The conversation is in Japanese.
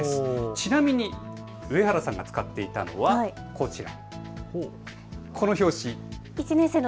ちなみに上原さんが使っていたのはこちら。